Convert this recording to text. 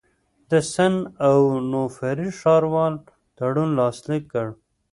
د سن اونوفري ښاروال تړون لاسلیک کړ.